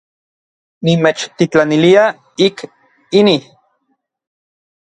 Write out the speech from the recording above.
Nimechtitlanilia ik inij.